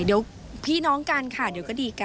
เดี๋ยวพี่น้องกันค่ะเดี๋ยวก็ดีกัน